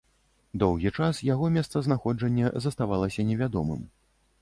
Доўгі час яго месцазнаходжанне заставалася невядомым.